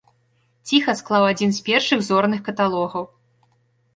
Ціха склаў адзін з першых зорных каталогаў.